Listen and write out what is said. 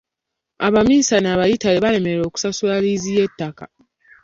Abaminsane aba yitale baalemererwa okusasula liizi y'ettaka.